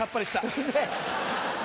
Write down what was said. うるせぇ。